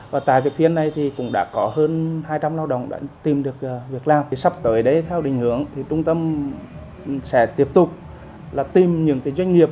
sắp tới đấy theo định hướng trung tâm sẽ tiếp tục tìm những doanh nghiệp